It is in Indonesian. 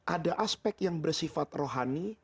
ada aspek yang bersifat rohani